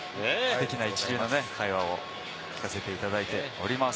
ステキな会話を聞かせていただいております。